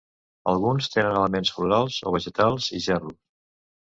Alguns tenen elements florals o vegetals i gerros.